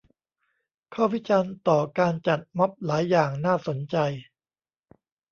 ข้อวิจารณ์ต่อการจัดม็อบหลายอย่างน่าสนใจ